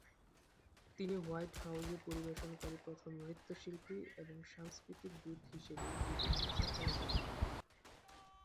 তিনি হোয়াইট হাউজে পরিবেশনকারী প্রথম নৃত্যশিল্পী এবং সাংস্কৃতিক দূত হিসেবে বিদেশ সফরে যেতেন।